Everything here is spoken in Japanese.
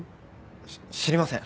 し知りません。